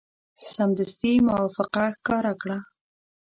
سمدستي موافقه ښکاره کړه.